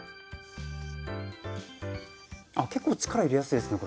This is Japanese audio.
あ結構力入れやすいですねこれ。